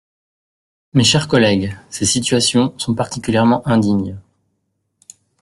Mes chers collègues, ces situations sont particulièrement indignes.